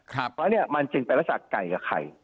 เพราะว่าเนี่ยมันจึงเป็นประจักษณ์ไก่กับไข่